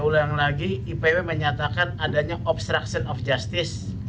ulang lagi ipw menyatakan adanya obstruction of justice